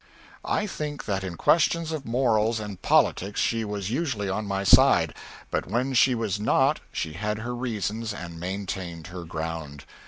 I think that in questions of morals and politics she was usually on my side; but when she was not she had her reasons and maintained her ground.